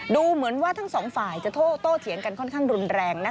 ดูเหมือนว่าทั้งสองฝ่ายจะโตเถียงกันค่อนข้างรุนแรง